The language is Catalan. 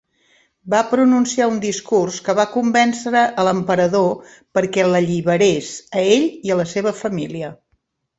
Va pronunciar un discurs que va convèncer a l'emperador perquè l'alliberés a ell i a la seva família.